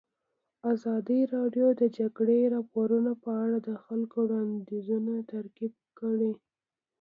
ازادي راډیو د د جګړې راپورونه په اړه د خلکو وړاندیزونه ترتیب کړي.